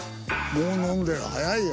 もう飲んでる早いよ。